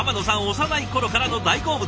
幼い頃からの大好物。